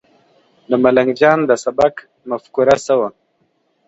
د ملنګ جان د سبک مفکوره څه وه؟